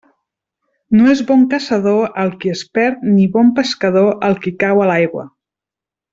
No és bon caçador el qui es perd ni bon pescador el qui cau a l'aigua.